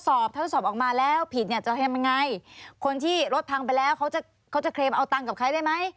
จะทำยังไงคนที่รถพังไปแล้วเขาจะเคลมเอาตังกับใครได้ไหม